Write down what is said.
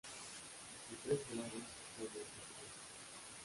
Sus tres grados son en matemáticas.